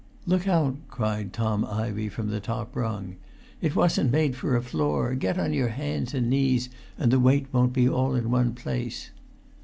"Look out!" cried Tom Ivey from the top rung. "It wasn't made for a floor; get on your hands and knees, and the weight won't be all in one place."